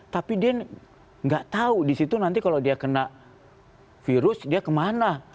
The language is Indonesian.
tapi dia nggak tahu disitu nanti kalau dia kena virus dia kemana